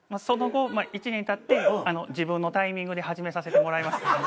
その後１年たって自分のタイミングで始めさせてもらいました。